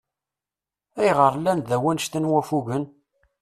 Ayɣeṛ llan da wannect-a n waffugen?